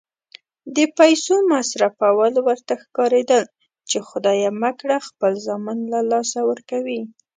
د پیسو مصرفول ورته ښکارېدل چې خدای مه کړه خپل زامن له لاسه ورکوي.